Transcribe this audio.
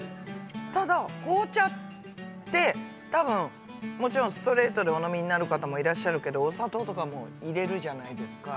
ただ紅茶ってたぶんもちろんストレートでお飲みになる方もいらっしゃるけどお砂糖とかも入れるじゃないですか。